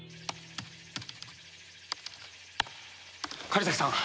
狩崎さん。